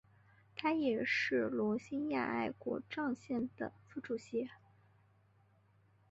他也是罗兴亚爱国障线的副主席。